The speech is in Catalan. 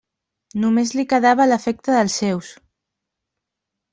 Només li quedava l'afecte dels seus.